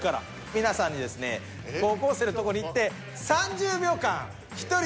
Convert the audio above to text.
皆さんにですね高校生のとこに行ってええっ。